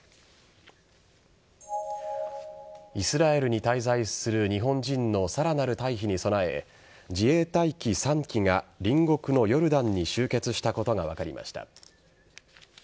イスラエルに滞在する日本人のさらなる退避に備え自衛隊機３機が隣国のヨルダンに集結したことが分かりました。